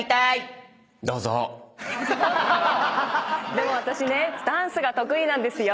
でも私ねダンスが得意なんですよ。